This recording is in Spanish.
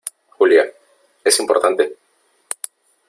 Julia , es importante .